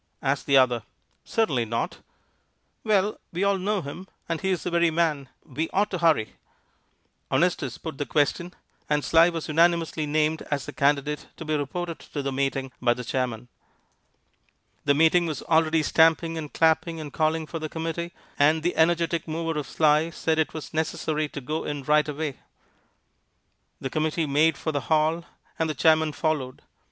asked the other. "Certainly not." "Well, we all know him, and he is the very man. We ought to hurry." Honestus put the question, and Sly was unanimously named as the candidate to be reported to the meeting by the chairman. The meeting was already stamping and clapping and calling for the committee, and the energetic mover of Sly said that it was necessary to go in right away. The committee made for the hall, and the chairman followed.